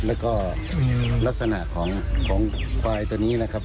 แล้วก็ลักษณะของควายตัวนี้นะครับ